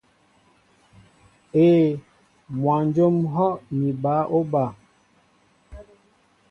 Éē, mwajóm ŋ̀hɔ́ ni bǎ óba.